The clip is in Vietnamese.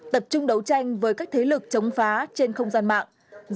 tập trung đấu tranh với các thế lực chống phá trên không gian mạng